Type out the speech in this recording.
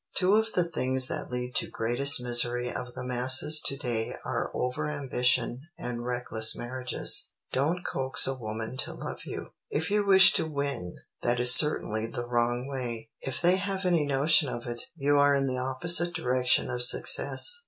Two of the things that lead to greatest misery of the masses to day are over ambition and reckless marriages. Don't coax a woman to love you. If you wish to win, that is certainly the wrong way. If they have any notion of it, you are in the opposite direction of success.